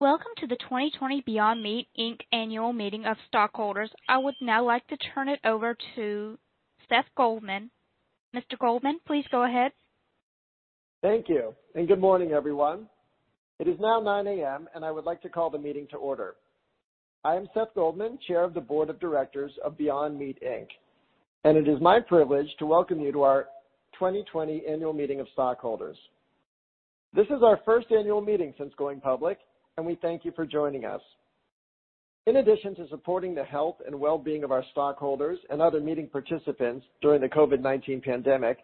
Welcome to the 2020 Beyond Meat, Inc. Annual Meeting of Stockholders. I would now like to turn it over to Seth Goldman. Mr. Goldman, please go ahead. Thank you. Good morning, everyone. It is now 9:00 A.M. I would like to call the meeting to order. I am Seth Goldman, Chair of the Board of Directors of Beyond Meat, Inc. It is my privilege to welcome you to our 2020 Annual Meeting of Stockholders. This is our first annual meeting since going public. We thank you for joining us. In addition to supporting the health and well-being of our stockholders and other meeting participants during the COVID-19 pandemic,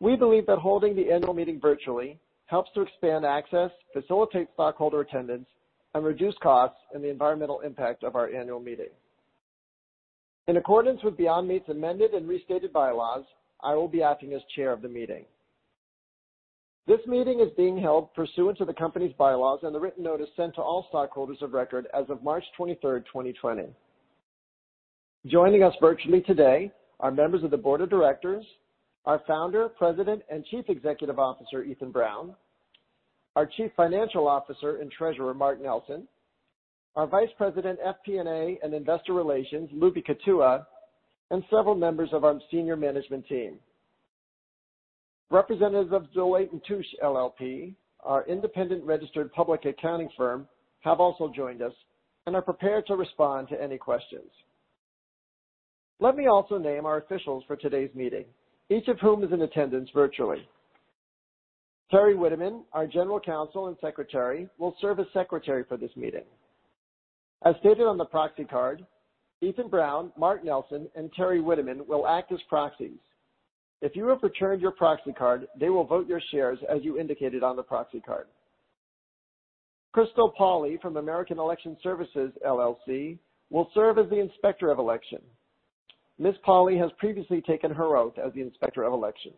we believe that holding the annual meeting virtually helps to expand access, facilitate stockholder attendance, and reduce costs and the environmental impact of our annual meeting. In accordance with Beyond Meat's amended and restated bylaws, I will be acting as chair of the meeting. This meeting is being held pursuant to the company's bylaws and the written notice sent to all stockholders of record as of March 23rd, 2020. Joining us virtually today are members of the Board of Directors, our Founder, President, and Chief Executive Officer, Ethan Brown, our Chief Financial Officer and Treasurer, Mark Nelson, our Vice President, FP&A and Investor Relations, Lubi Kutua, and several members of our senior management team. Representatives of Deloitte & Touche LLP, our independent registered public accounting firm, have also joined us and are prepared to respond to any questions. Let me also name our officials for today's meeting, each of whom is in attendance virtually. Teri Witteman, our General Counsel and Secretary, will serve as secretary for this meeting. As stated on the proxy card, Ethan Brown, Mark Nelson, and Teri Witteman will act as proxies. If you have returned your proxy card, they will vote your shares as you indicated on the proxy card. Crystal Pawley from American Election Services LLC will serve as the inspector of election. Ms. Pawley has previously taken her oath as the inspector of election.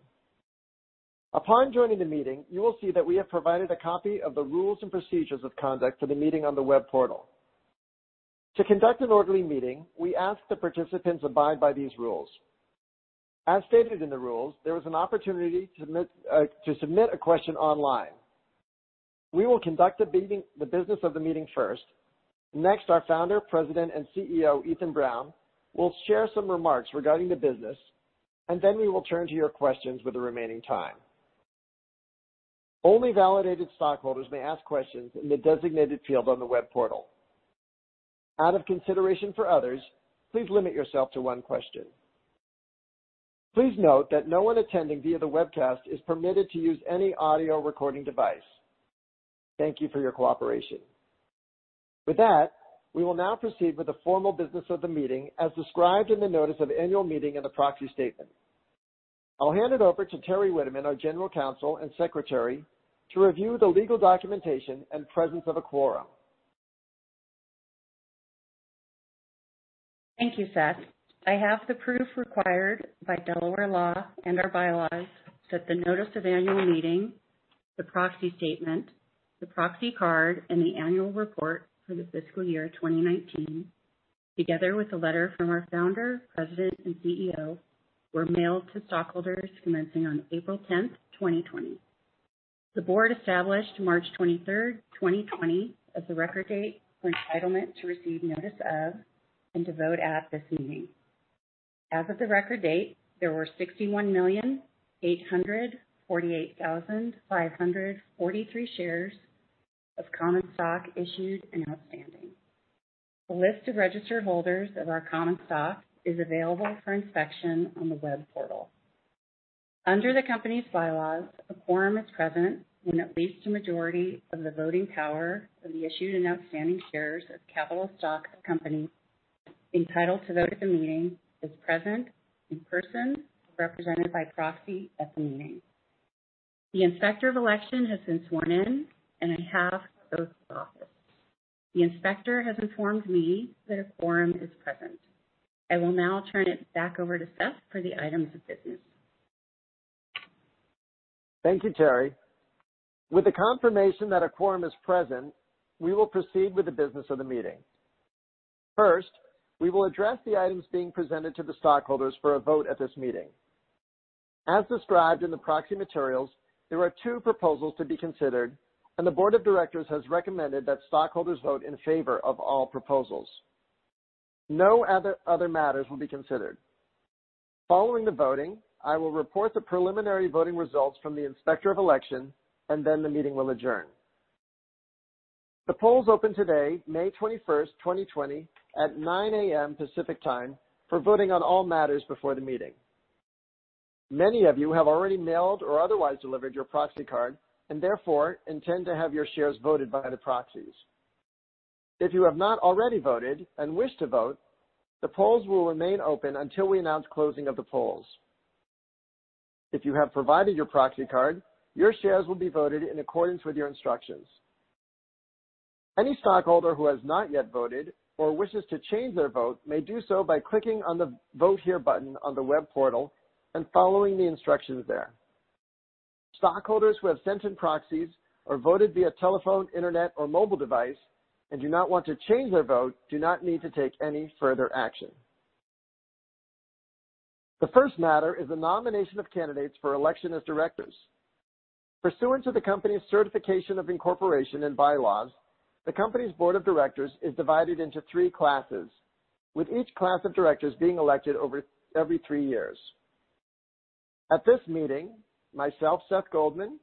Upon joining the meeting, you will see that we have provided a copy of the rules and procedures of conduct for the meeting on the web portal. To conduct an orderly meeting, we ask the participants abide by these rules. As stated in the rules, there is an opportunity to submit a question online. We will conduct the business of the meeting first. Next, our Founder, President, and CEO, Ethan Brown, will share some remarks regarding the business, and then we will turn to your questions with the remaining time. Only validated stockholders may ask questions in the designated field on the web portal. Out of consideration for others, please limit yourself to one question. Please note that no one attending via the webcast is permitted to use any audio recording device. Thank you for your cooperation. With that, we will now proceed with the formal business of the meeting as described in the notice of annual meeting and the proxy statement. I'll hand it over to Teri Witteman, our General Counsel and Secretary, to review the legal documentation and presence of a quorum. Thank you, Seth. I have the proof required by Delaware Law and our bylaws that the notice of annual meeting, the proxy statement, the proxy card, and the annual report for the fiscal year 2019, together with a letter from our founder, president, and CEO, were mailed to stockholders commencing on April 10, 2020. The Board established March 23, 2020, as the record date for entitlement to receive notice of and to vote at this meeting. As of the record date, there were 61,848,543 shares of common stock issued and outstanding. A list of registered holders of our common stock is available for inspection on the web portal. Under the company's bylaws, a quorum is present when at least a majority of the voting power of the issued and outstanding shares of capital stock of the company entitled to vote at the meeting is present in person or represented by proxy at the meeting. The inspector of election has been sworn in and has so proffered. The inspector has informed me that a quorum is present. I will now turn it back over to Seth for the items of business. Thank you, Teri. With the confirmation that a quorum is present, we will proceed with the business of the meeting. First, we will address the items being presented to the stockholders for a vote at this meeting. As described in the proxy materials, there are two proposals to be considered, and the Board of Directors has recommended that stockholders vote in favor of all proposals. No other matters will be considered. Following the voting, I will report the preliminary voting results from the inspector of election, and then the meeting will adjourn. The polls opened today, May 21st, 2020, at 9:00 A.M. Pacific Time for voting on all matters before the meeting. Many of you have already mailed or otherwise delivered your proxy card and therefore intend to have your shares voted by the proxies. If you have not already voted and wish to vote, the polls will remain open until we announce closing of the polls. If you have provided your proxy card, your shares will be voted in accordance with your instructions. Any stockholder who has not yet voted or wishes to change their vote may do so by clicking on the Vote Here button on the web portal and following the instructions there. Stockholders who have sent in proxies or voted via telephone, internet, or mobile device and do not want to change their vote do not need to take any further action. The first matter is the nomination of candidates for election as directors. Pursuant to the company's certification of incorporation and bylaws, the company's Board of Directors is divided into three classes, with each class of directors being elected over every three years. At this meeting, myself, Seth Goldman,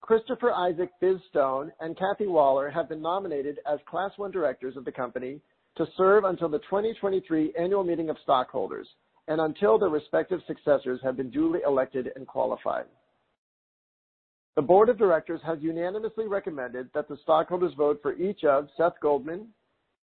Christopher Isaac "Biz" Stone, and Kathy Waller have been nominated as Class I Directors of the company to serve until the 2023 Annual Meeting of Stockholders and until their respective successors have been duly elected and qualified. The Board of Directors has unanimously recommended that the stockholders vote for each of Seth Goldman,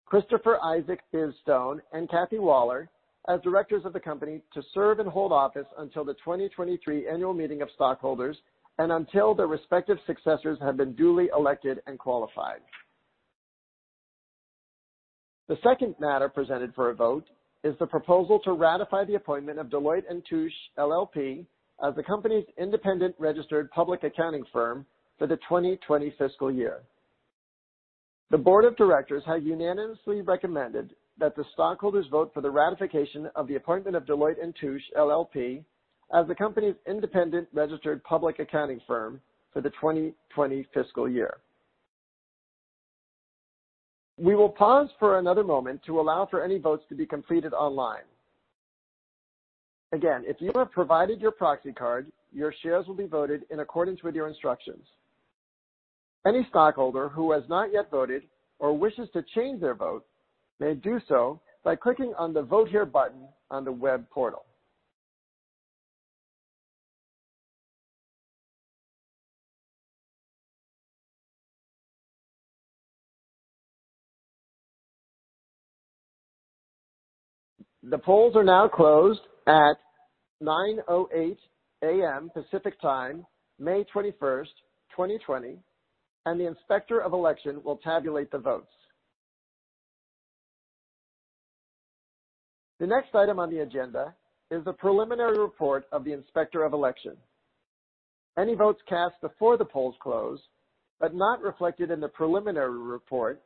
Christopher Isaac "Biz" Stone, and Kathy Waller as Directors of the company to serve and hold office until the 2023 Annual Meeting of Stockholders and until their respective successors have been duly elected and qualified. The second matter presented for a vote is the proposal to ratify the appointment of Deloitte & Touche LLP as the company's independent registered public accounting firm for the 2020 fiscal year. The Board of Directors has unanimously recommended that the stockholders vote for the ratification of the appointment of Deloitte & Touche, LLP as the company's independent registered public accounting firm for the 2020 fiscal year. We will pause for another moment to allow for any votes to be completed online. Again, if you have provided your proxy card, your shares will be voted in accordance with your instructions. Any stockholder who has not yet voted or wishes to change their vote may do so by clicking on the Vote Here button on the web portal. The polls are now closed at 9:08 A.M. Pacific Time, May 21st, 2020, and the inspector of election will tabulate the votes. The next item on the agenda is the preliminary report of the inspector of election. Any votes cast before the polls close but not reflected in the preliminary report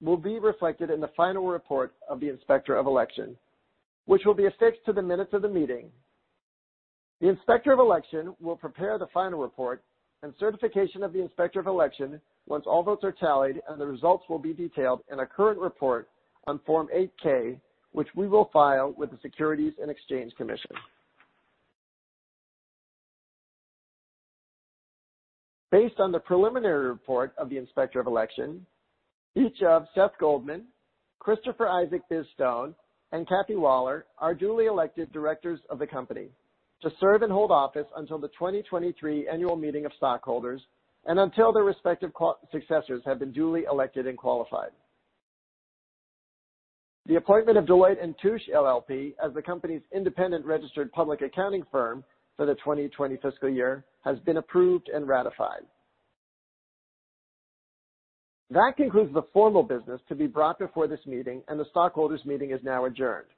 will be reflected in the final report of the inspector of election, which will be affixed to the minutes of the meeting. The inspector of election will prepare the final report and certification of the inspector of election once all votes are tallied, and the results will be detailed in a current report on Form 8-K, which we will file with the Securities and Exchange Commission. Based on the preliminary report of the inspector of election, each of Seth Goldman, Christopher Isaac "Biz" Stone, and Kathy Waller are duly elected directors of the company to serve and hold office until the 2023 Annual Meeting of Stockholders and until their respective successors have been duly elected and qualified. The appointment of Deloitte & Touche LLP as the company's independent registered public accounting firm for the 2020 fiscal year has been approved and ratified. That concludes the formal business to be brought before this meeting, and the stockholders meeting is now adjourned.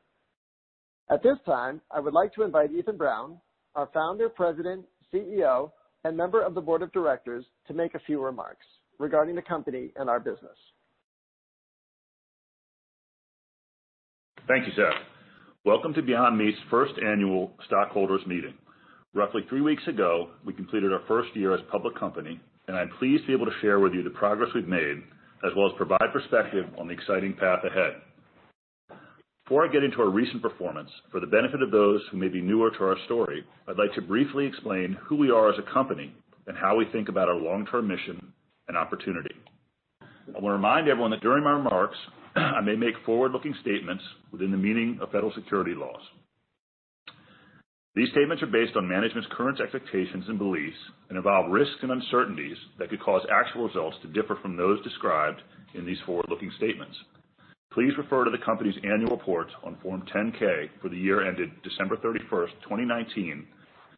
At this time, I would like to invite Ethan Brown, our Founder, President, CEO, and member of the Board of Directors, to make a few remarks regarding the company and our business. Thank you, Seth. Welcome to Beyond Meat's First Annual Stockholders meeting. Roughly three weeks ago, we completed our first year as a public company, and I'm pleased to be able to share with you the progress we've made, as well as provide perspective on the exciting path ahead. Before I get into our recent performance, for the benefit of those who may be newer to our story, I'd like to briefly explain who we are as a company and how we think about our long-term mission and opportunity. I want to remind everyone that during my remarks, I may make forward-looking statements within the meaning of federal security laws. These statements are based on management's current expectations and beliefs and involve risks and uncertainties that could cause actual results to differ from those described in these forward-looking statements. Please refer to the company's annual report on Form 10-K for the year ended December 31st, 2019,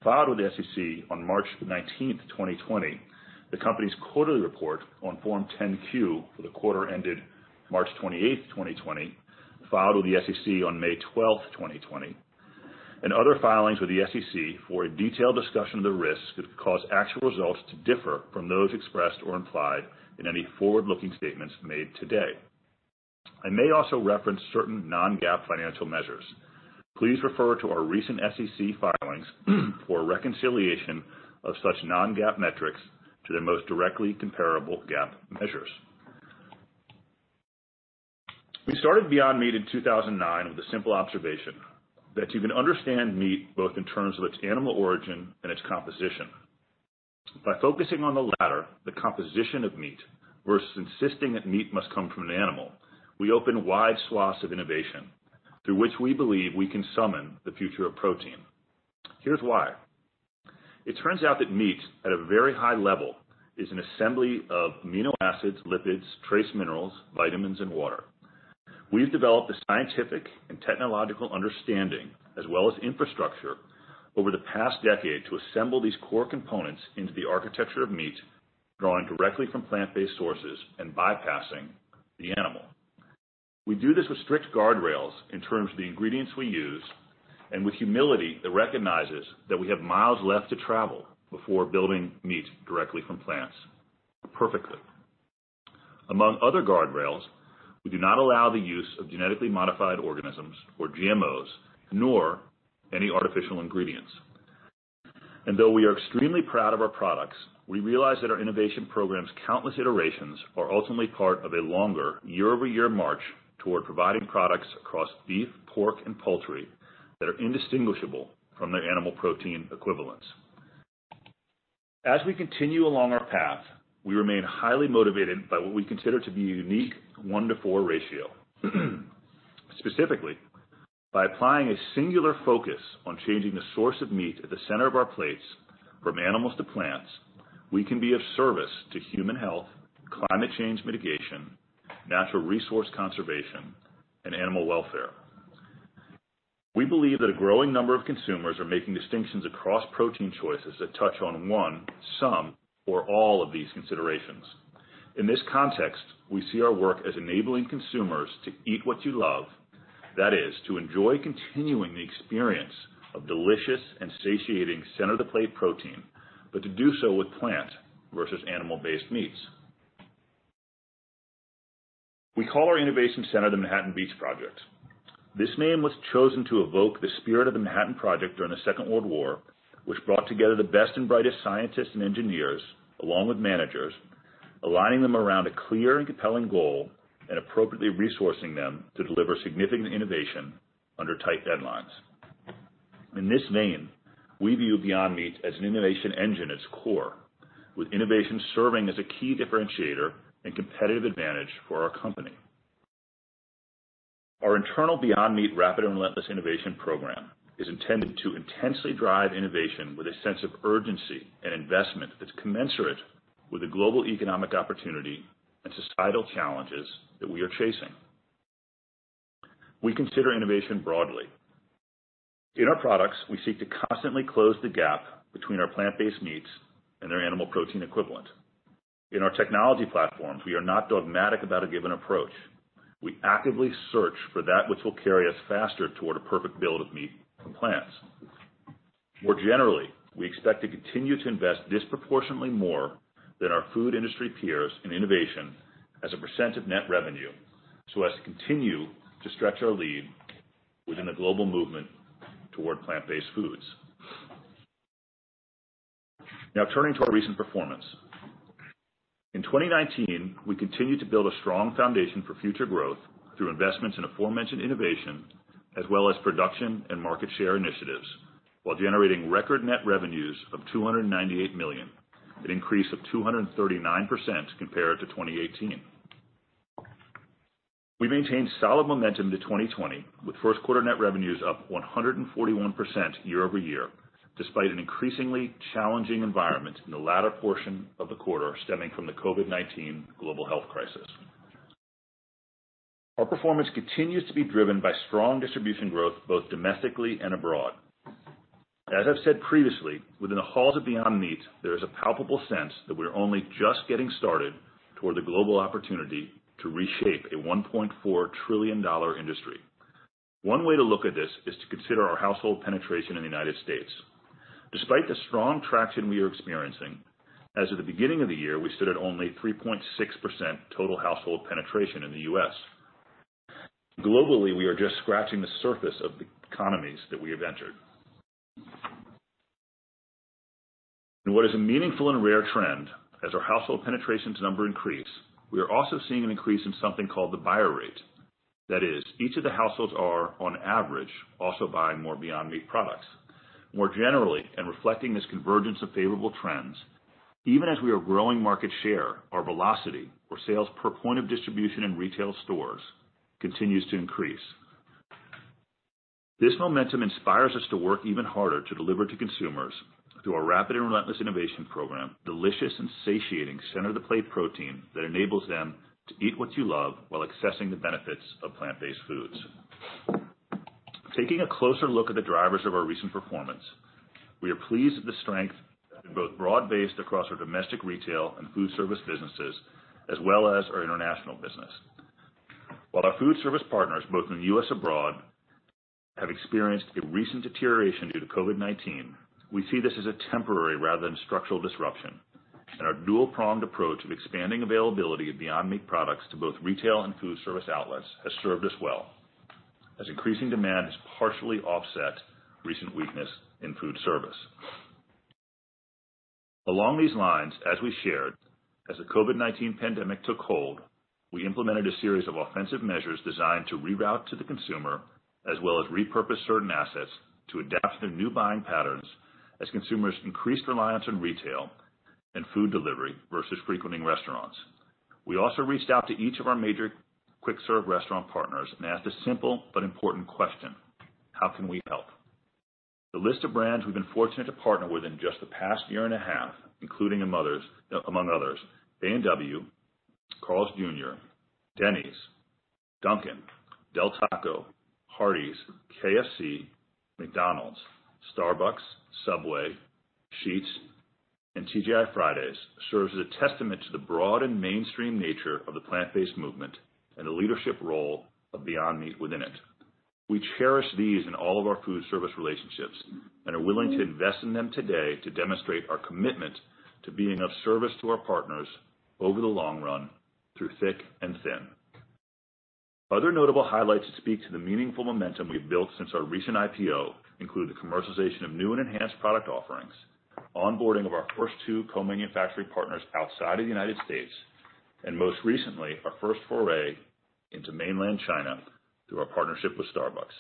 filed with the SEC on March 19th, 2020, the company's quarterly report on Form 10-Q for the quarter ended March 28th, 2020, filed with the SEC on May 12th, 2020, and other filings with the SEC for a detailed discussion of the risks that could cause actual results to differ from those expressed or implied in any forward-looking statements made today. I may also reference certain non-GAAP financial measures. Please refer to our recent SEC filings for a reconciliation of such non-GAAP metrics to their most directly comparable GAAP measures. We started Beyond Meat in 2009 with a simple observation, that you can understand meat both in terms of its animal origin and its composition. By focusing on the latter, the composition of meat, versus insisting that meat must come from an animal, we open wide swaths of innovation through which we believe we can summon the future of protein. Here's why. It turns out that meat, at a very high level, is an assembly of amino acids, lipids, trace minerals, vitamins, and water. We've developed the scientific and technological understanding as well as infrastructure over the past decade to assemble these core components into the architecture of meat, drawing directly from plant-based sources and bypassing the animal. We do this with strict guardrails in terms of the ingredients we use and with humility that recognizes that we have miles left to travel before building meat directly from plants perfectly. Among other guardrails, we do not allow the use of genetically modified organisms or GMOs, nor any artificial ingredients. Though we are extremely proud of our products, we realize that our innovation program's countless iterations are ultimately part of a longer year-over-year march toward providing products across beef, pork, and poultry that are indistinguishable from their animal protein equivalents. As we continue along our path, we remain highly motivated by what we consider to be a unique 1 to 4 ratio. Specifically, by applying a singular focus on changing the source of meat at the center of our plates from animals to plants, we can be of service to human health, climate change mitigation, natural resource conservation, and animal welfare. We believe that a growing number of consumers are making distinctions across protein choices that touch on one, some, or all of these considerations. In this context, we see our work as enabling consumers to Eat What You Love. That is, to enjoy continuing the experience of delicious and satiating center of the plate protein, but to do so with plant versus animal-based meats. We call our innovation center the Manhattan Beach Project. This name was chosen to evoke the spirit of the Manhattan Project during the Second World War, which brought together the best and brightest scientists and engineers, along with managers, aligning them around a clear and compelling goal and appropriately resourcing them to deliver significant innovation under tight deadlines. In this vein, we view Beyond Meat as an innovation engine at its core, with innovation serving as a key differentiator and competitive advantage for our company. Our internal Beyond Meat rapid and relentless innovation program is intended to intensely drive innovation with a sense of urgency and investment that's commensurate with the global economic opportunity and societal challenges that we are chasing. We consider innovation broadly. In our products, we seek to constantly close the gap between our plant-based meats and their animal protein equivalent. In our technology platforms, we are not dogmatic about a given approach. We actively search for that which will carry us faster toward a perfect build of meat from plants. More generally, we expect to continue to invest disproportionately more than our food industry peers in innovation as a % of net revenue, so as to continue to stretch our lead within the global movement toward plant-based foods. Now turning to our recent performance. In 2019, we continued to build a strong foundation for future growth through investments in aforementioned innovation, as well as production and market share initiatives, while generating record net revenues of $298 million, an increase of 239% compared to 2018. We maintained solid momentum to 2020 with first quarter net revenues up 141% year-over-year, despite an increasingly challenging environment in the latter portion of the quarter stemming from the COVID-19 global health crisis. Our performance continues to be driven by strong distribution growth, both domestically and abroad. As I've said previously, within the halls of Beyond Meat, there is a palpable sense that we are only just getting started toward the global opportunity to reshape a $1.4 trillion industry. One way to look at this is to consider our household penetration in the United States. Despite the strong traction we are experiencing, as of the beginning of the year, we stood at only 3.6% total household penetration in the U.S. Globally, we are just scratching the surface of the economies that we have entered. In what is a meaningful and rare trend, as our household penetrations number increase, we are also seeing an increase in something called the buyer rate. That is, each of the households are, on average, also buying more Beyond Meat products. More generally, and reflecting this convergence of favorable trends, even as we are growing market share, our velocity or sales per point of distribution in retail stores continues to increase. This momentum inspires us to work even harder to deliver to consumers, through our rapid and relentless innovation program, delicious and satiating center of the plate protein that enables them to Eat What You Love while accessing the benefits of plant-based foods. Taking a closer look at the drivers of our recent performance, we are pleased with the strength that has been both broad-based across our domestic retail and food service businesses, as well as our international business. While our food service partners, both in the U.S. and abroad, have experienced a recent deterioration due to COVID-19, we see this as a temporary rather than structural disruption, and our dual-pronged approach of expanding availability of Beyond Meat products to both retail and food service outlets has served us well, as increasing demand has partially offset recent weakness in food service. Along these lines, as we shared, as the COVID-19 pandemic took hold, we implemented a series of offensive measures designed to reroute to the consumer, as well as repurpose certain assets to adapt to new buying patterns as consumers increased reliance on retail and food delivery versus frequenting restaurants. We also reached out to each of our major quick serve restaurant partners and asked a simple but important question: how can we help? The list of brands we've been fortunate to partner with in just the past year and a half, including among others, A&W, Carl's Jr., Denny's, Dunkin', Del Taco, Hardee's, KFC, McDonald's, Starbucks, Subway, Sheetz, and TGI Fridays, serves as a testament to the broad and mainstream nature of the plant-based movement and the leadership role of Beyond Meat within it. We cherish these in all of our food service relationships and are willing to invest in them today to demonstrate our commitment to being of service to our partners over the long run through thick and thin. Other notable highlights that speak to the meaningful momentum we've built since our recent IPO include the commercialization of new and enhanced product offerings, onboarding of our first two co-manufacturing partners outside of the U.S., and most recently, our first foray into mainland China through our partnership with Starbucks.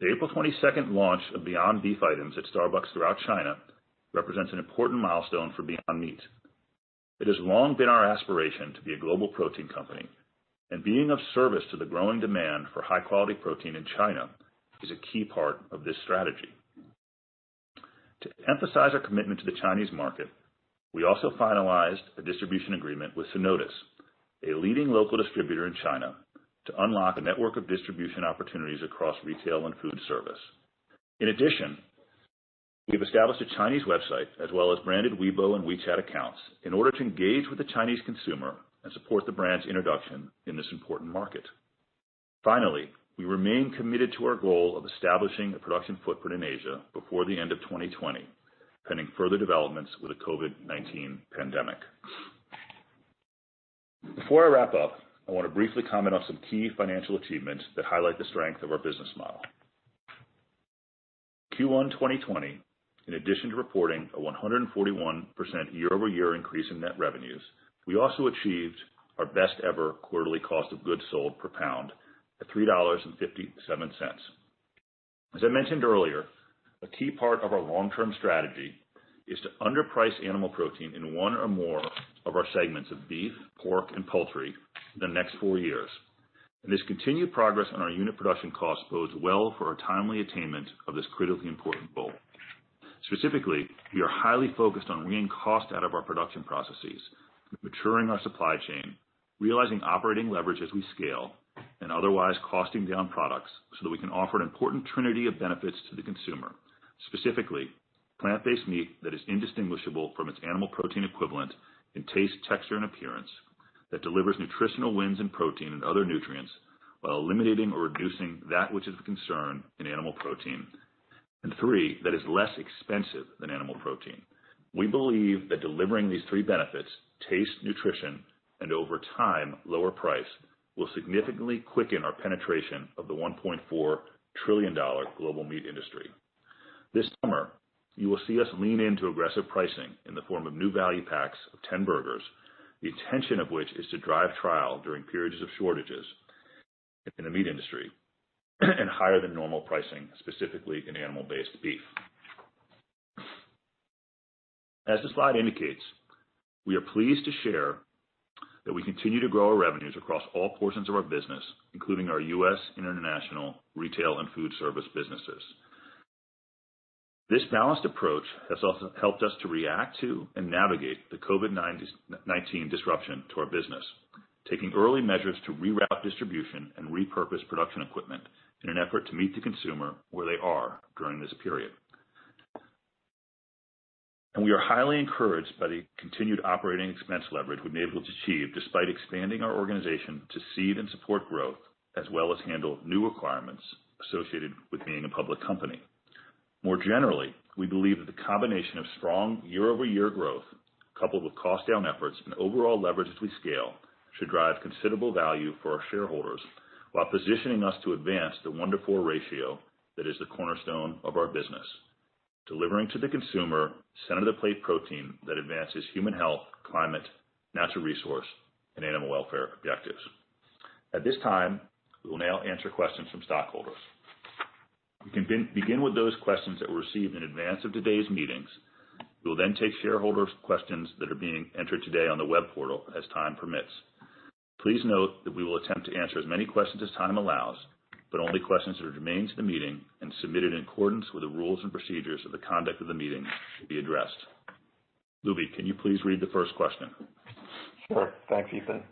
The April 22nd launch of Beyond Beef items at Starbucks throughout China represents an important milestone for Beyond Meat. It has long been our aspiration to be a global protein company, and being of service to the growing demand for high-quality protein in China is a key part of this strategy. To emphasize our commitment to the Chinese market, we also finalized a distribution agreement with Sinodis, a leading local distributor in China, to unlock a network of distribution opportunities across retail and food service. In addition, we've established a Chinese website as well as branded Weibo and WeChat accounts in order to engage with the Chinese consumer and support the brand's introduction in this important market. Finally, we remain committed to our goal of establishing a production footprint in Asia before the end of 2020, pending further developments with the COVID-19 pandemic. Before I wrap up, I want to briefly comment on some key financial achievements that highlight the strength of our business model. Q1 2020, in addition to reporting a 141% year-over-year increase in net revenues, we also achieved our best ever quarterly cost of goods sold per pound at $3.57. As I mentioned earlier, a key part of our long-term strategy is to underprice animal protein in one or more of our segments of beef, pork, and poultry in the next four years. This continued progress on our unit production cost bodes well for our timely attainment of this critically important goal. Specifically, we are highly focused on wringing cost out of our production processes, maturing our supply chain, realizing operating leverage as we scale, and otherwise costing down products so that we can offer an important trinity of benefits to the consumer. Specifically, plant-based meat that is indistinguishable from its animal protein equivalent in taste, texture, and appearance, that delivers nutritional wins in protein and other nutrients while eliminating or reducing that which is of concern in animal protein. Three, that is less expensive than animal protein. We believe that delivering these three benefits, taste, nutrition, and over time, lower price, will significantly quicken our penetration of the $1.4 trillion global meat industry. This summer, you will see us lean into aggressive pricing in the form of new value packs of 10 burgers, the intention of which is to drive trial during periods of shortages in the meat industry and higher than normal pricing, specifically in animal-based beef. As the slide indicates, we are pleased to share that we continue to grow our revenues across all portions of our business, including our U.S. and international retail and foodservice businesses. This balanced approach has also helped us to react to and navigate the COVID-19 disruption to our business, taking early measures to reroute distribution and repurpose production equipment in an effort to meet the consumer where they are during this period. We are highly encouraged by the continued operating expense leverage we've been able to achieve, despite expanding our organization to seed and support growth, as well as handle new requirements associated with being a public company. More generally, we believe that the combination of strong year-over-year growth coupled with cost down efforts and overall leverage as we scale should drive considerable value for our shareholders while positioning us to advance the one to four ratio that is the cornerstone of our business, delivering to the consumer center of the plate protein that advances human health, climate, natural resource, and animal welfare objectives. At this time, we will now answer questions from stockholders. We can begin with those questions that were received in advance of today's meetings. We will take shareholders' questions that are being entered today on the web portal as time permits. Please note that we will attempt to answer as many questions as time allows, only questions that are germane to the meeting and submitted in accordance with the rules and procedures of the conduct of the meeting should be addressed. Lubi, can you please read the first question? Sure. Thanks, Ethan.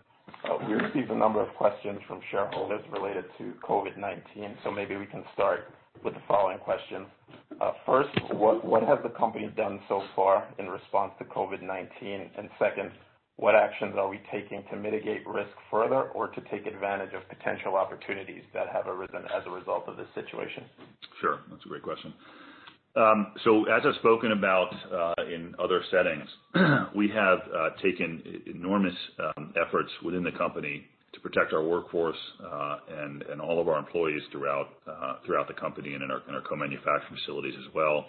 We received a number of questions from shareholders related to COVID-19. Maybe we can start with the following question. First, what has the company done so far in response to COVID-19? Second, what actions are we taking to mitigate risk further or to take advantage of potential opportunities that have arisen as a result of this situation? Sure. That's a great question. As I've spoken about in other settings, we have taken enormous efforts within the company to protect our workforce, and all of our employees throughout the company and in our co-manufacturing facilities as well.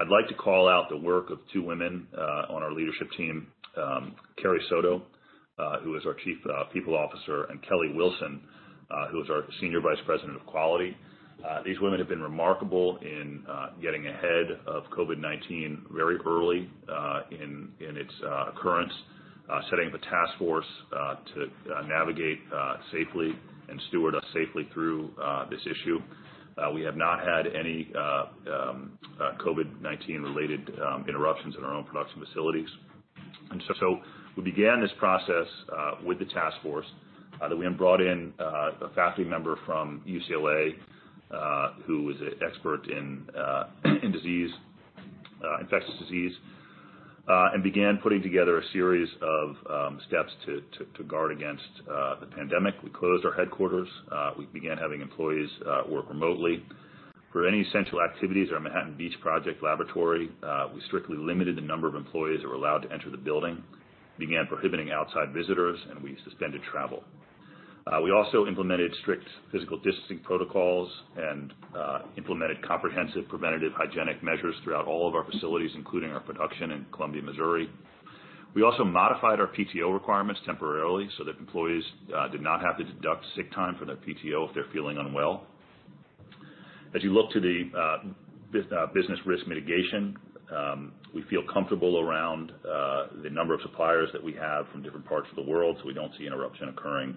I'd like to call out the work of two women on our leadership team, Cari Soto, who is our Chief People Officer, and Kelli Wilson, who is our Senior Vice President of Quality. These women have been remarkable in getting ahead of COVID-19 very early in its occurrence, setting up a task force to navigate safely and steward us safely through this issue. We have not had any COVID-19 related interruptions in our own production facilities. We began this process with the task force, that we then brought in a faculty member from UCLA, who was an expert in infectious disease. Began putting together a series of steps to guard against the pandemic. We closed our headquarters. We began having employees work remotely. For any essential activities at our Manhattan Beach project laboratory, we strictly limited the number of employees that were allowed to enter the building. We began prohibiting outside visitors, and we suspended travel. We also implemented strict physical distancing protocols and implemented comprehensive preventative hygienic measures throughout all of our facilities, including our production in Columbia, Missouri. We also modified our PTO requirements temporarily, so that employees did not have to deduct sick time from their PTO if they're feeling unwell. As you look to the business risk mitigation, we feel comfortable around the number of suppliers that we have from different parts of the world, so we don't see an interruption occurring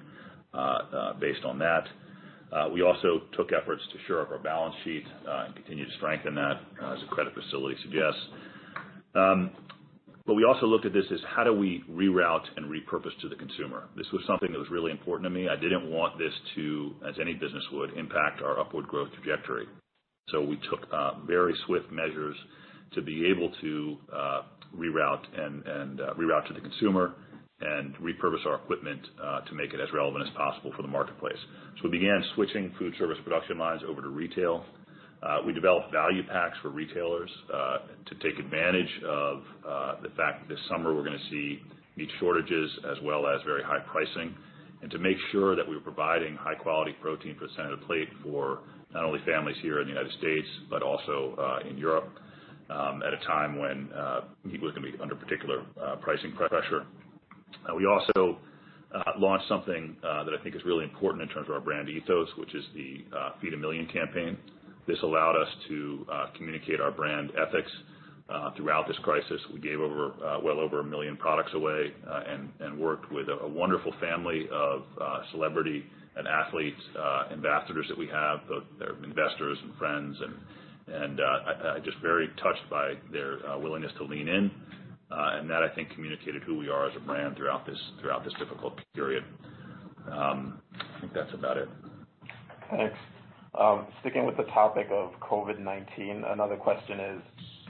based on that. We also took efforts to shore up our balance sheet and continue to strengthen that, as the credit facility suggests. We also looked at this as, how do we reroute and repurpose to the consumer? This was something that was really important to me. I didn't want this to, as any business would, impact our upward growth trajectory. We took very swift measures to be able to reroute to the consumer and repurpose our equipment to make it as relevant as possible for the marketplace. We began switching food service production lines over to retail. We developed value packs for retailers to take advantage of the fact that this summer we're going to see meat shortages as well as very high pricing. To make sure that we were providing high-quality protein for the center of the plate for not only families here in the U.S., but also in Europe, at a time when people are going to be under particular pricing pressure. We also launched something that I think is really important in terms of our brand ethos, which is the Feed A Million+ campaign. This allowed us to communicate our brand ethics throughout this crisis. We gave well over a million products away and worked with a wonderful family of celebrity and athletes, ambassadors that we have, both investors and friends. I'm just very touched by their willingness to lean in. That, I think, communicated who we are as a brand throughout this difficult period. I think that's about it. Thanks. Sticking with the topic of COVID-19, another question is,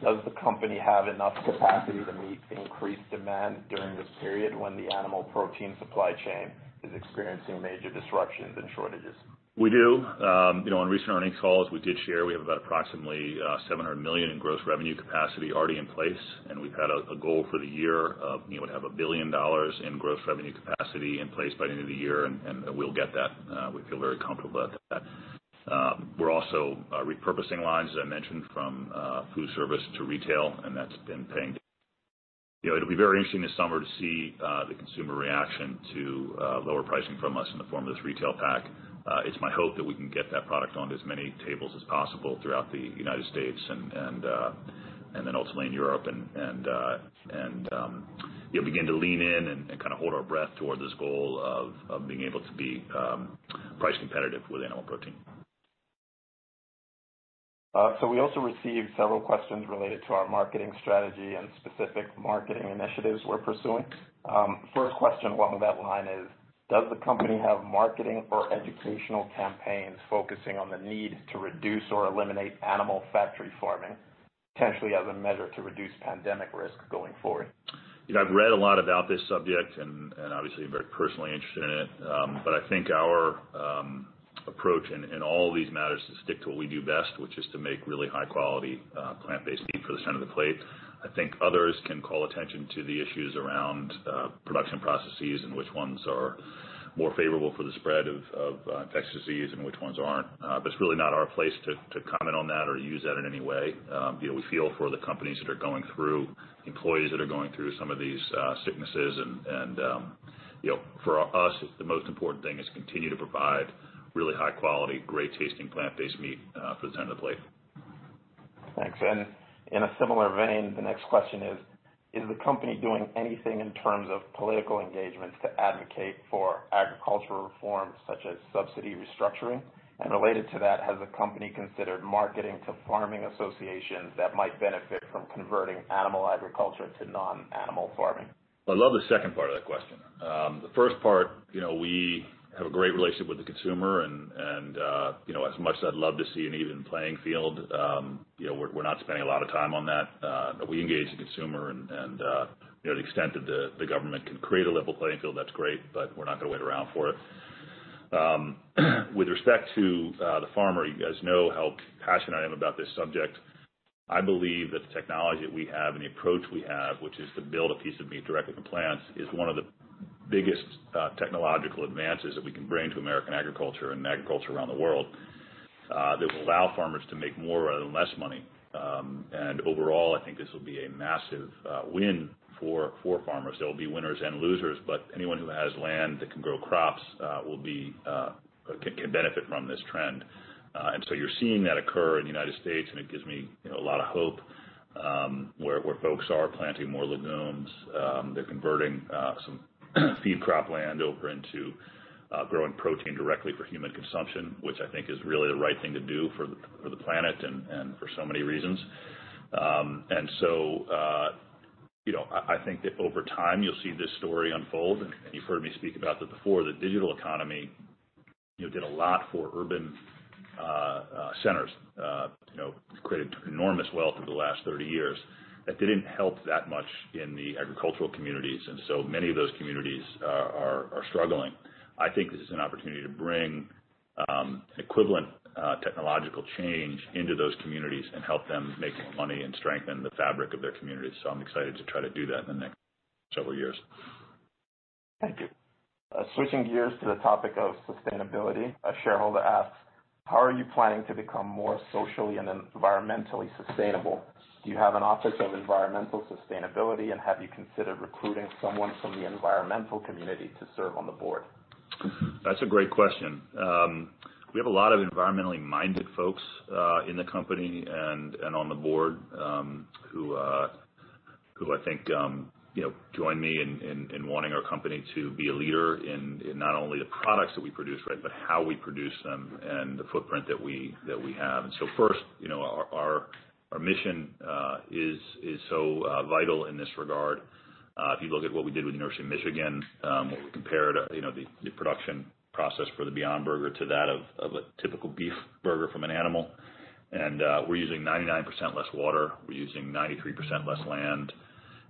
does the company have enough capacity to meet increased demand during this period when the animal protein supply chain is experiencing major disruptions and shortages? We do. In recent earnings calls, we did share we have about approximately $700 million in gross revenue capacity already in place. We've had a goal for the year of we'd have $1 billion in gross revenue capacity in place by the end of the year. We'll get that. We feel very comfortable about that. We're also repurposing lines, as I mentioned, from food service to retail. That's been paying dividends. It'll be very interesting this summer to see the consumer reaction to lower pricing from us in the form of this retail pack. It's my hope that we can get that product on as many tables as possible throughout the U.S. Then ultimately in Europe. Begin to lean in and kind of hold our breath toward this goal of being able to be price competitive with animal protein. We also received several questions related to our marketing strategy and specific marketing initiatives we're pursuing. First question along that line is, does the company have marketing or educational campaigns focusing on the need to reduce or eliminate animal factory farming, potentially as a measure to reduce pandemic risk going forward? I've read a lot about this subject and obviously am very personally interested in it. I think our approach in all of these matters is to stick to what we do best, which is to make really high-quality plant-based meat for the center of the plate. I think others can call attention to the issues around production processes and which ones are more favorable for the spread of infectious disease and which ones aren't. It's really not our place to comment on that or use that in any way. We feel for the companies that are going through, employees that are going through some of these sicknesses. For us, the most important thing is to continue to provide really high-quality, great-tasting plant-based meat for the center of the plate. Thanks. In a similar vein, the next question is the company doing anything in terms of political engagements to advocate for agricultural reform, such as subsidy restructuring? Related to that, has the company considered marketing to farming associations that might benefit from converting animal agriculture to non-animal farming? I love the second part of that question. The first part, we have a great relationship with the consumer and as much as I'd love to see an even playing field, we're not spending a lot of time on that. We engage the consumer and to the extent that the government can create a level playing field, that's great, but we're not going to wait around for it. With respect to the farmer, you guys know how passionate I am about this subject. I believe that the technology that we have and the approach we have, which is to build a piece of meat directly from plants, is one of the biggest technological advances that we can bring to American agriculture and agriculture around the world. That will allow farmers to make more rather than less money. Overall, I think this will be a massive win for farmers. There will be winners and losers, anyone who has land that can grow crops can benefit from this trend. You're seeing that occur in the U.S., and it gives me a lot of hope, where folks are planting more legumes. They're converting some feed crop land over into growing protein directly for human consumption, which I think is really the right thing to do for the planet and for so many reasons. I think that over time, you'll see this story unfold. You've heard me speak about that before. The digital economy did a lot for urban centers. Created enormous wealth over the last 30 years that didn't help that much in the agricultural communities, and so many of those communities are struggling. I think this is an opportunity to bring equivalent technological change into those communities and help them make more money and strengthen the fabric of their communities. I'm excited to try to do that in the next several years. Thank you. Switching gears to the topic of sustainability. A shareholder asks, "How are you planning to become more socially and environmentally sustainable? Do you have an office of environmental sustainability, and have you considered recruiting someone from the environmental community to serve on the board? That's a great question. We have a lot of environmentally minded folks in the company and on the board, who I think join me in wanting our company to be a leader in not only the products that we produce, but how we produce them and the footprint that we have. First, our mission is so vital in this regard. If you look at what we did with University of Michigan, where we compared the production process for the Beyond Burger to that of a typical beef burger from an animal. We're using 99% less water, we're using 93% less land,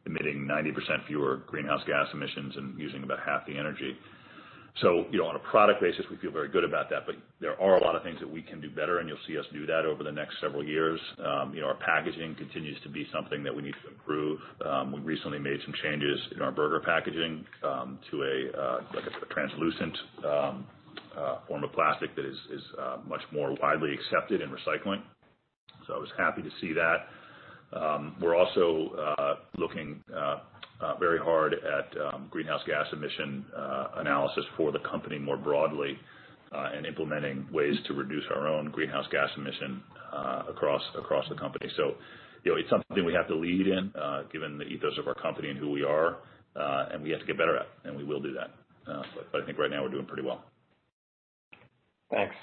emitting 90% fewer greenhouse gas emissions, and using about half the energy. On a product basis, we feel very good about that, but there are a lot of things that we can do better, and you'll see us do that over the next several years. Our packaging continues to be something that we need to improve. We recently made some changes in our burger packaging, to a translucent form of plastic that is much more widely accepted in recycling. I was happy to see that. We're also looking very hard at greenhouse gas emission analysis for the company more broadly, and implementing ways to reduce our own greenhouse gas emission across the company. It's something we have to lead in, given the ethos of our company and who we are. We have to get better at it, and we will do that. I think right now we're doing pretty well. Thanks.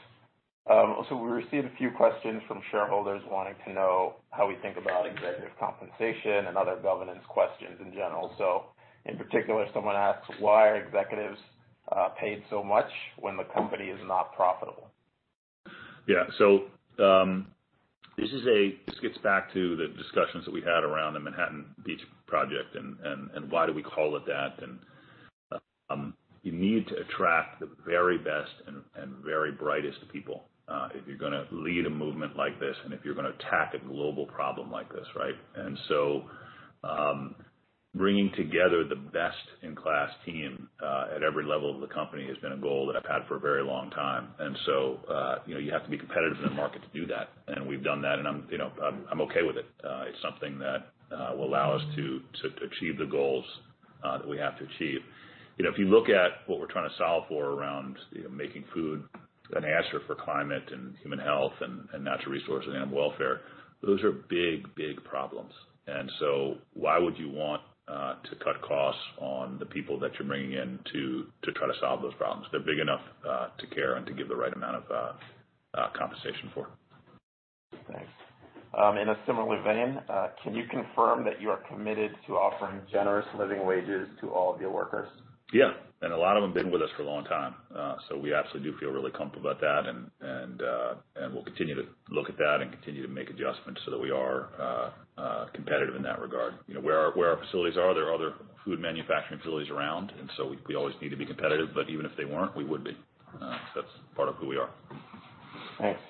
We received a few questions from shareholders wanting to know how we think about executive compensation and other governance questions in general. In particular, someone asks, "Why are executives paid so much when the company is not profitable? Yeah. This gets back to the discussions that we had around the Manhattan Project and why do we call it that. You need to attract the very best and very brightest people, if you're going to lead a movement like this and if you're going to attack a global problem like this, right? Bringing together the best-in-class team at every level of the company has been a goal that I've had for a very long time. You have to be competitive in the market to do that. We've done that, and I'm okay with it. It's something that will allow us to achieve the goals that we have to achieve. If you look at what we're trying to solve for around making food an answer for climate and human health and natural resource and animal welfare, those are big, big problems. Why would you want to cut costs on the people that you're bringing in to try to solve those problems? They're big enough to care and to give the right amount of compensation for. Thanks. In a similar vein, can you confirm that you are committed to offering generous living wages to all of your workers? Yeah. A lot of them have been with us for a long time. We absolutely do feel really comfortable about that. We'll continue to look at that and continue to make adjustments so that we are competitive in that regard. Where our facilities are, there are other food manufacturing facilities around, and so we always need to be competitive, but even if they weren't, we would be. That's part of who we are. Thanks.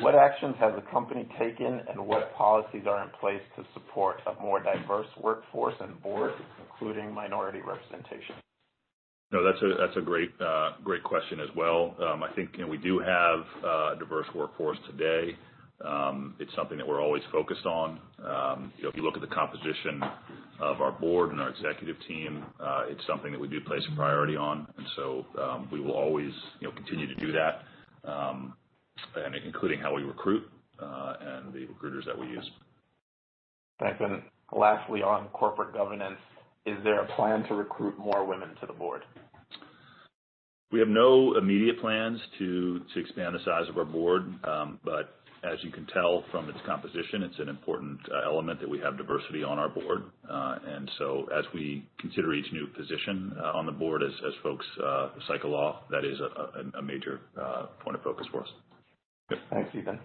What actions has the company taken, and what policies are in place to support a more diverse workforce and board, including minority representation? No, that's a great question as well. I think we do have a diverse workforce today. It's something that we're always focused on. If you look at the composition of our Board and our executive team, it's something that we do place a priority on. We will always continue to do that, and including how we recruit, and the recruiters that we use. Thanks. Lastly, on corporate governance, is there a plan to recruit more women to the Board? We have no immediate plans to expand the size of our Board. As you can tell from its composition, it's an important element that we have diversity on our Board. As we consider each new position on the Board, as folks cycle off, that is a major point of focus for us. Thanks, Ethan.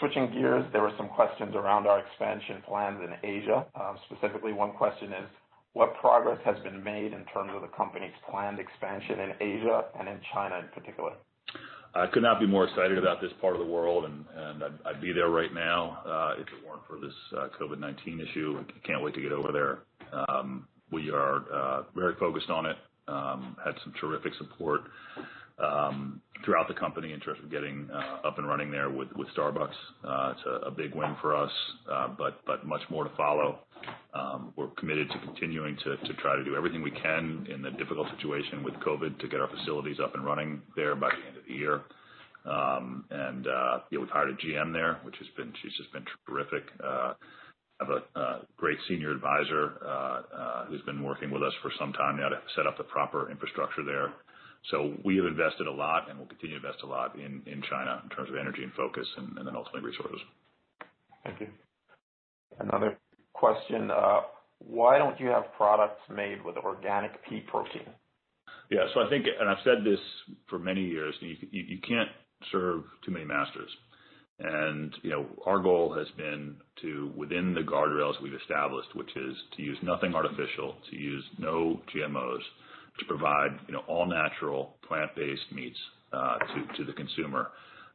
Switching gears, there were some questions around our expansion plans in Asia. Specifically, one question is, "What progress has been made in terms of the company's planned expansion in Asia and in China in particular?" I could not be more excited about this part of the world, and I'd be there right now if it weren't for this COVID-19 issue. Can't wait to get over there. We are very focused on it. Had some terrific support throughout the company in terms of getting up and running there with Starbucks. It's a big win for us. Much more to follow. We're committed to continuing to try to do everything we can in the difficult situation with COVID to get our facilities up and running there by the end of the year. We've hired a GM there, she's just been terrific. Have a great senior advisor who's been working with us for some time now to set up the proper infrastructure there. We have invested a lot, and we'll continue to invest a lot in China in terms of energy and focus, and then ultimately resources. Thank you. Another question. Why don't you have products made with organic pea protein? I think, and I've said this for many years, you can't serve too many masters. Our goal has been to, within the guardrails we've established, which is to use nothing artificial, to use no GMOs, to provide all-natural plant-based meats to the consumer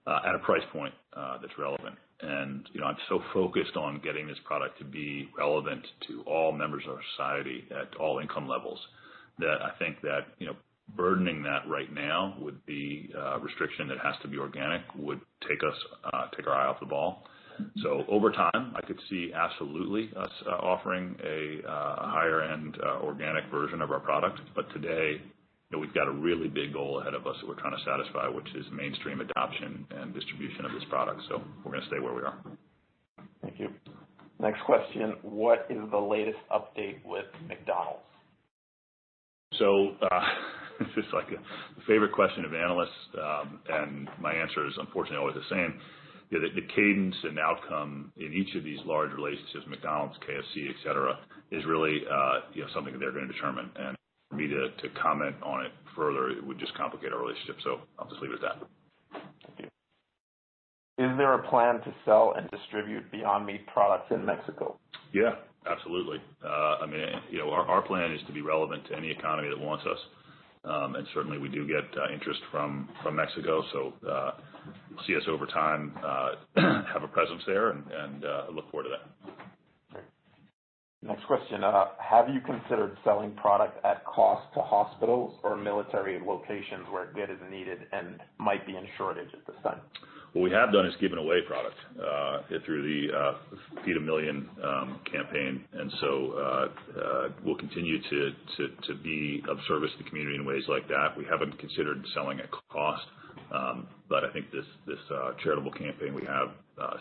at a price point that's relevant. I'm so focused on getting this product to be relevant to all members of our society at all income levels, that I think that burdening that right now with the restriction that it has to be organic, would take our eye off the ball. Over time, I could see absolutely us offering a higher-end organic version of our product. Today, we've got a really big goal ahead of us that we're trying to satisfy, which is mainstream adoption and distribution of this product. We're going to stay where we are. Thank you. Next question. What is the latest update with McDonald's? This is like a favorite question of analysts, and my answer is unfortunately always the same. The cadence and outcome in each of these large relationships, McDonald's, KFC, et cetera, is really something that they're going to determine. For me to comment on it further, it would just complicate our relationship. I'll just leave it at that. Thank you. Is there a plan to sell and distribute Beyond Meat products in Mexico? Yeah, absolutely. Our plan is to be relevant to any economy that wants us. Certainly, we do get interest from Mexico. You'll see us over time have a presence there, and look forward to that. Great. Next question. Have you considered selling product at cost to hospitals or military locations where food is needed and might be in shortage at this time? What we have done is given away product through the Feed A Million+ campaign. We'll continue to be of service to the community in ways like that. We haven't considered selling at cost. I think this charitable campaign we have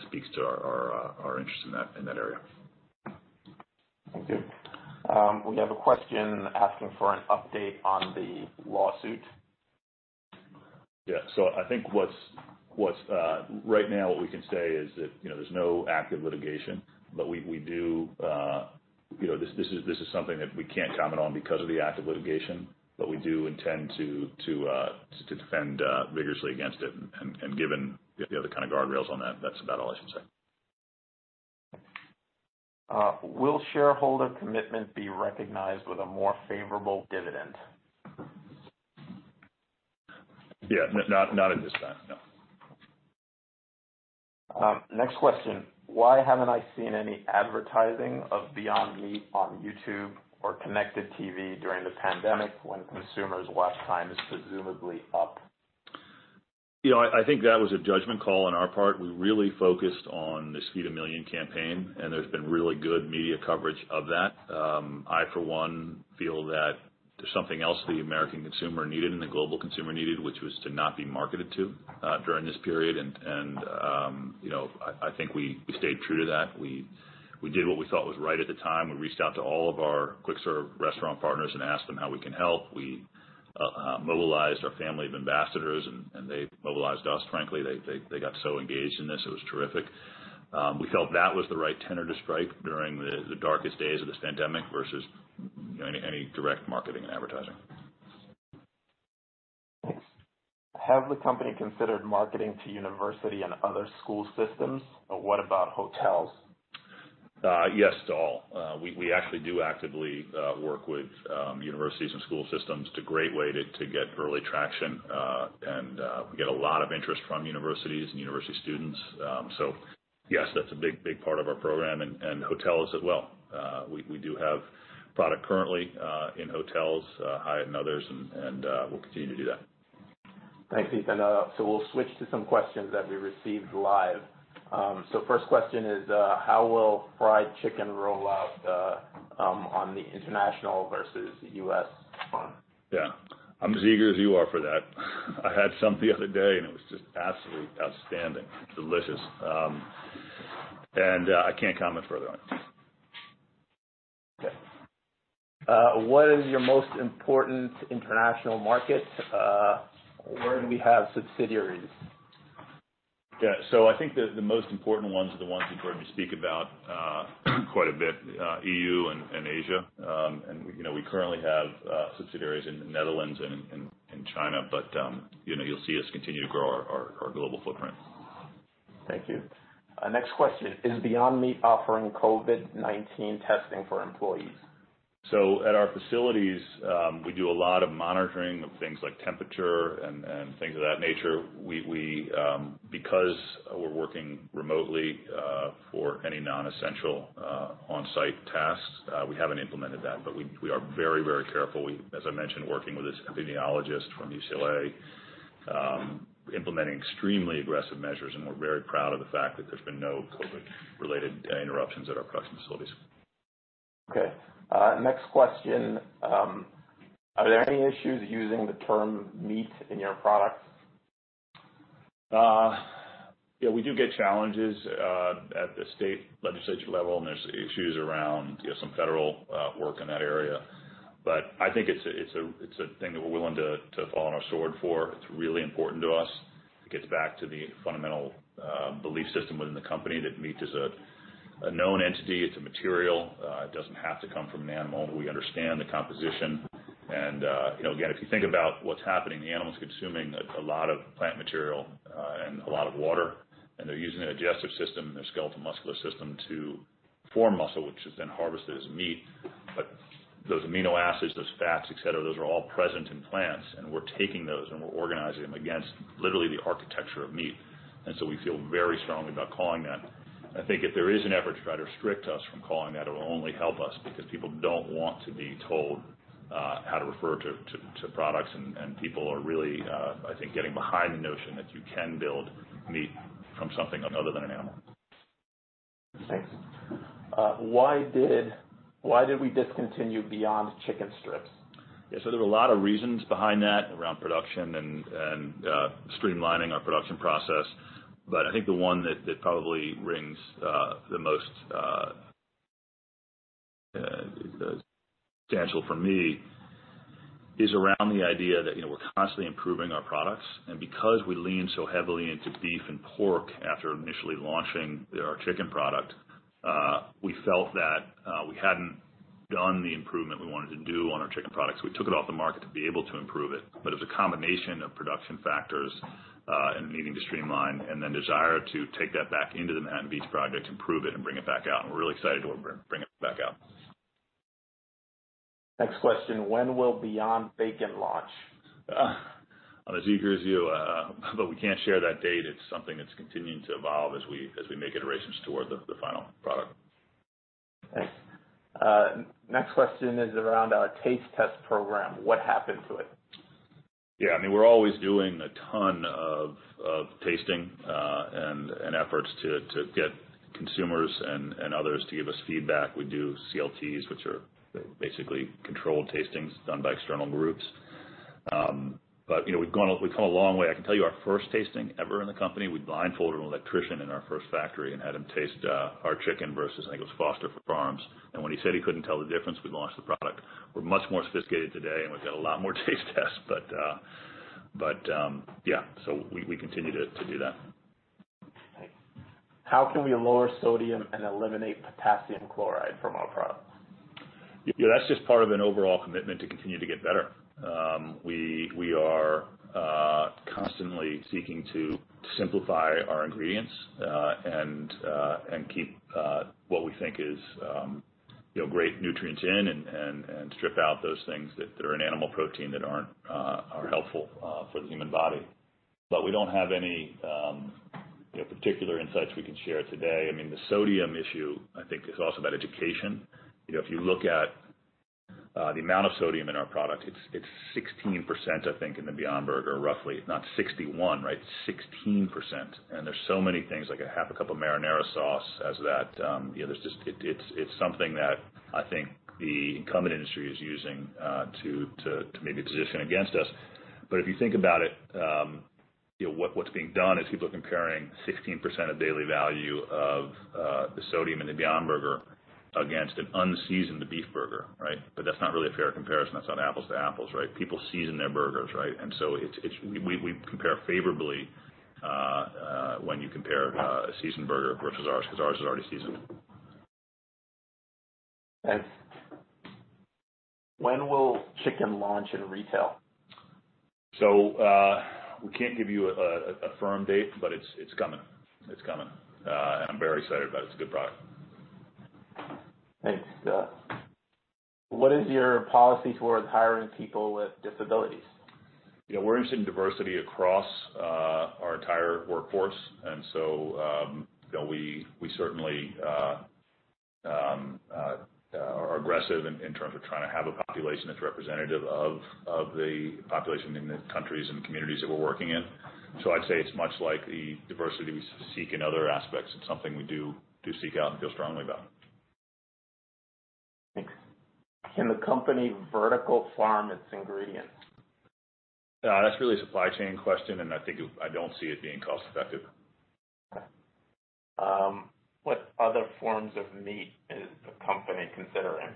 speaks to our interest in that area. Thank you. We have a question asking for an update on the lawsuit. Yeah. I think right now what we can say is that there's no active litigation. This is something that we can't comment on because of the active litigation. We do intend to defend vigorously against it, and given the kind of guardrails on that's about all I should say. Will shareholder commitment be recognized with a more favorable dividend? Yeah. Not at this time, no. Next question. Why haven't I seen any advertising of Beyond Meat on YouTube or connected TV during the pandemic when consumers' web time is presumably up? I think that was a judgment call on our part. We really focused on this Feed A Million+ campaign, and there's been really good media coverage of that. I, for one, feel that there's something else the American consumer needed and the global consumer needed, which was to not be marketed to during this period. I think we stayed true to that. We did what we thought was right at the time. We reached out to all of our quick-serve restaurant partners and asked them how we can help. We mobilized our family of ambassadors, and they mobilized us, frankly. They got so engaged in this, it was terrific. We felt that was the right tenor to strike during the darkest days of this pandemic versus any direct marketing and advertising. Thanks. Have the company considered marketing to university and other school systems? What about hotels? Yes to all. We actually do actively work with universities and school systems. It's a great way to get early traction. We get a lot of interest from universities and university students. Yes, that's a big part of our program, and hotels as well. We do have product currently in hotels, Hyatt and others, and we'll continue to do that. Thanks, Ethan. We'll switch to some questions that we received live. The first question is, how will fried chicken roll out on the international versus U.S. front? Yeah. I'm as eager as you are for that. I had some the other day, and it was just absolutely outstanding. Delicious. I can't comment further on it. Okay. What is your most important international market? Where do we have subsidiaries? Yeah. I think the most important ones are the ones you've heard me speak about quite a bit, EU and Asia. We currently have subsidiaries in the Netherlands and China. You'll see us continue to grow our global footprint. Thank you. Next question. Is Beyond Meat offering COVID-19 testing for employees? At our facilities, we do a lot of monitoring of things like temperature and things of that nature. Because we're working remotely for any non-essential on-site tasks, we haven't implemented that. We are very careful. As I mentioned, working with this epidemiologist from UCLA, implementing extremely aggressive measures, and we're very proud of the fact that there's been no COVID-related interruptions at our production facilities. Okay. Next question. Are there any issues using the term meat in your products? Yeah, we do get challenges at the state legislature level, and there's issues around some federal work in that area. I think it's a thing that we're willing to fall on our sword for. It's really important to us. It gets back to the fundamental belief system within the company that meat is a known entity. It's a material. It doesn't have to come from an animal. We understand the composition. Again, if you think about what's happening, the animal's consuming a lot of plant material and a lot of water, and they're using their digestive system and their skeletal muscular system to form muscle, which is then harvested as meat. Those amino acids, those fats, et cetera, those are all present in plants. We're taking those and we're organizing them against literally the architecture of meat. We feel very strongly about calling that. I think if there is an effort to try to restrict us from calling that, it'll only help us because people don't want to be told how to refer to products. People are really, I think, getting behind the notion that you can build meat from something other than an animal. Thanks. Why did we discontinue Beyond Chicken Strips? There were a lot of reasons behind that around production and streamlining our production process. I think the one that probably rings the most potential for me is around the idea that we're constantly improving our products. Because we lean so heavily into beef and pork after initially launching our chicken product, we felt that we hadn't done the improvement we wanted to do on our chicken products. We took it off the market to be able to improve it. It was a combination of production factors and needing to streamline, and then desire to take that back into the Manhattan Project to improve it and bring it back out. We're really excited to bring it back out. Next question. When will Beyond Bacon launch? I'm as eager as you, but we can't share that date. It's something that's continuing to evolve as we make iterations toward the final product. Thanks. Next question is around our taste test program. What happened to it? Yeah. We're always doing a ton of tasting and efforts to get consumers and others to give us feedback. We do CLTs, which are basically controlled tastings done by external groups. We've come a long way. I can tell you our first tasting ever in the company, we blindfolded an electrician in our first factory and had him taste our chicken versus, I think it was Foster Farms. When he said he couldn't tell the difference, we launched the product. We're much more sophisticated today, and we've got a lot more taste tests but yeah. We continue to do that. Thanks. How can we lower sodium and eliminate potassium chloride from our products? That's just part of an overall commitment to continue to get better. We are constantly seeking to simplify our ingredients, and keep what we think is great nutrients in and strip out those things that are in animal protein that aren't helpful for the human body. We don't have any particular insights we can share today. The sodium issue, I think, is also about education. If you look at the amount of sodium in our product, it's 16% in the Beyond Burger, roughly. It's not 61%, right? 16%. There's so many things, like a half a cup of marinara sauce has that. It's something that I think the incumbent industry is using to maybe position against us. If you think about it, what's being done is people are comparing 16% of daily value of the sodium in the Beyond Burger against an unseasoned beef burger, right? That's not really a fair comparison. That's not apples to apples, right? People season their burgers, right? We compare favorably when you compare a seasoned burger versus ours, because ours is already seasoned. Thanks. When will chicken launch in retail? We can't give you a firm date, but it's coming. It's coming. I'm very excited about it. It's a good product. Thanks. What is your policy towards hiring people with disabilities? We're interested in diversity across our entire workforce. We certainly are aggressive in terms of trying to have a population that's representative of the population in the countries and the communities that we're working in. I'd say it's much like the diversity we seek in other aspects. It's something we do seek out and feel strongly about. Thanks. Can the company vertical farm its ingredients? That's really a supply chain question, and I think I don't see it being cost-effective. Okay. What other forms of meat is the company considering?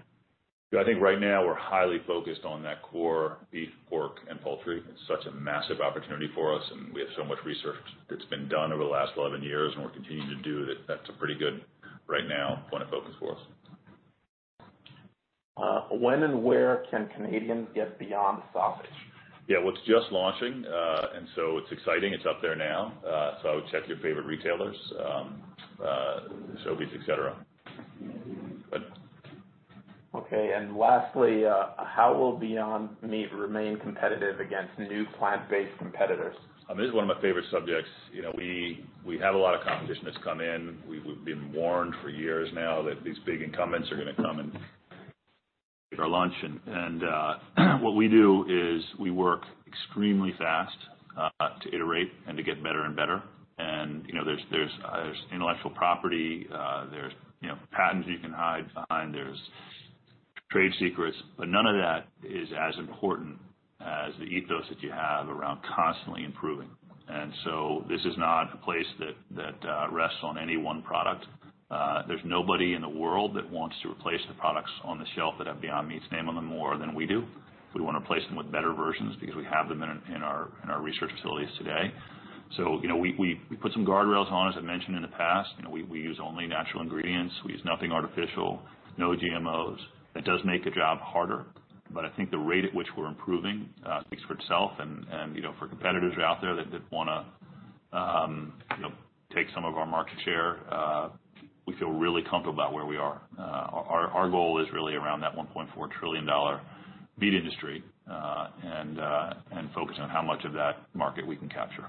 I think right now we're highly focused on that core beef, pork, and poultry. It's such a massive opportunity for us, and we have so much research that's been done over the last 11 years, and we're continuing to do, that's a pretty good, right now, point of focus for us. When and where can Canadians get Beyond Sausage? Yeah. Well, it's just launching, and so it's exciting. It's up there now. I would check your favorite retailers, Sobeys, et cetera. Good. Okay. Lastly, how will Beyond Meat remain competitive against new plant-based competitors? This is one of my favorite subjects. We have a lot of competition that's come in. We've been warned for years now that these big incumbents are going to come and eat our lunch. What we do is we work extremely fast to iterate and to get better and better. Intellectual property. There's patents you can hide behind. There's trade secrets. None of that is as important as the ethos that you have around constantly improving. This is not a place that rests on any one product. There's nobody in the world that wants to replace the products on the shelf that have Beyond Meat's name on them more than we do. We want to replace them with better versions because we have them in our research facilities today. We put some guardrails on, as I mentioned in the past. We use only natural ingredients. We use nothing artificial, no GMOs. That does make the job harder, but I think the rate at which we're improving speaks for itself. For competitors who are out there that want to take some of our market share, we feel really comfortable about where we are. Our goal is really around that $1.4 trillion meat industry and focusing on how much of that market we can capture.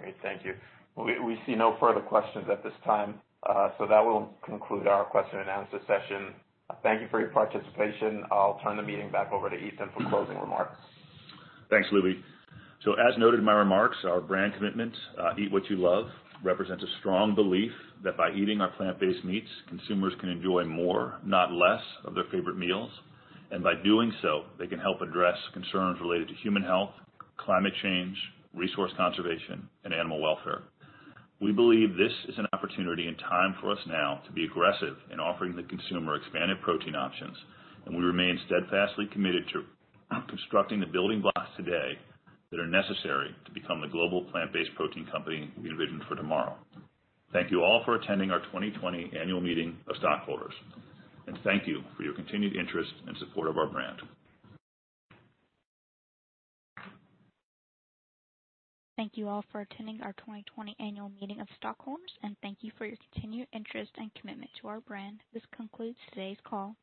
Great. Thank you. We see no further questions at this time, that will conclude our question and answer session. Thank you for your participation. I'll turn the meeting back over to Ethan for closing remarks. Thanks, Lubi. As noted in my remarks, our brand commitment, Eat What You Love, represents a strong belief that by eating our plant-based meats, consumers can enjoy more, not less, of their favorite meals. By doing so, they can help address concerns related to human health, climate change, resource conservation, and animal welfare. We believe this is an opportunity and time for us now to be aggressive in offering the consumer expanded protein options. We remain steadfastly committed to constructing the building blocks today that are necessary to become the global plant-based protein company we envision for tomorrow. Thank you all for attending our 2020 Annual Meeting of Stockholders, and thank you for your continued interest and support of our brand. Thank you all for attending our 2020 Annual Meeting of Stockholders. Thank you for your continued interest and commitment to our brand. This concludes today's call.